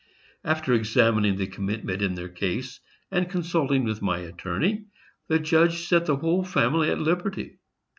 After examining the commitment in their case, and consulting with my attorney, the judge set the whole family at liberty.